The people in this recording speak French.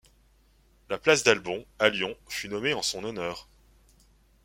La place d'Albon, à Lyon, fut nommé en son honneur.